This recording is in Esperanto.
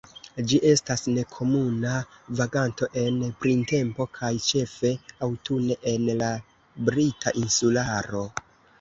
Ĝi estas nekomuna vaganto en printempo kaj ĉefe aŭtune en la Brita Insularo.